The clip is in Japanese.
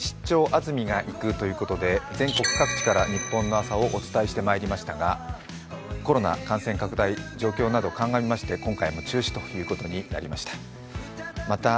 安住がいく」ということで全国各地から日本の朝をお伝えして参りましたがコロナ感染拡大、状況など鑑みまして今回も中止ということになりました。